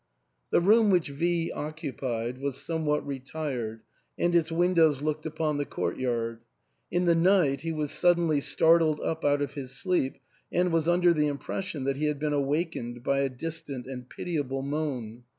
The room which V occupied was somewhat re tired, and its windows looked upon the castle yard. In the night he was suddenly startled up out of his sleep, and was under the impression that he had been awak ened by a distant and pitiable moan.